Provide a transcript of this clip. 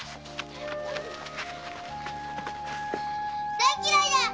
大嫌いだ！